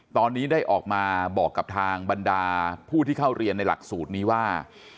ตอนนี้ได้ออกมาบอกกับทางบรรดาผู้ที่เข้าเรียนในหลักสูตรนี้ว่า